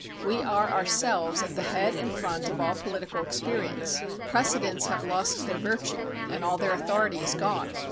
We are ourselves at the head and front of all political experience. Precedents have lost their virtue and all their authority is gone.